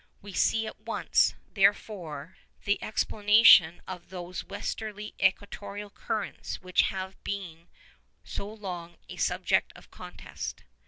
We see at once, therefore, the explanation of those westerly equatorial currents which have been so long a subject of contest.